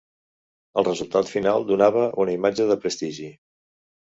El resultat final donava una imatge de prestigi.